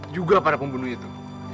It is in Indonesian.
juga para pembunuh itu